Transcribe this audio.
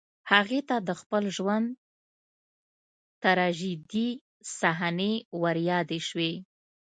هغې ته د خپل ژوند تراژيدي صحنې وريادې شوې